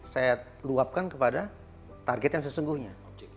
saya luapkan kepada target yang sesungguhnya